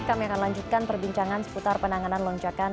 kami akan lanjutkan perbincangan seputar penanganan lonjakan